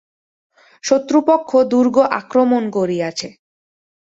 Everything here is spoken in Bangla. শত্রুপক্ষ দুর্গ আক্রমণ করিয়াছে।